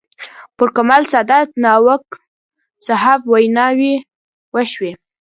پر کمال سادات، ناوک صاحب ویناوې وشوې.